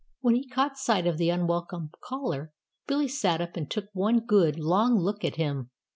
When he caught sight of the unwelcome caller Billy sat up and took one good, long look at him.